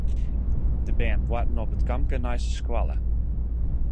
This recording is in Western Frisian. De bern boarten op it kampke neist de skoalle.